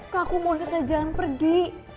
kak aku mohon aja jangan pergi